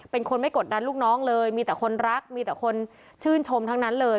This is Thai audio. เป็นคนไม่กดดันลูกน้องเลยมีแต่คนรักมีแต่คนชื่นชมทั้งนั้นเลย